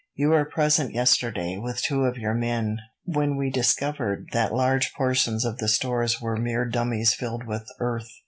You were present yesterday, with two of your men, when we discovered that large portions of the stores were mere dummies filled with earth.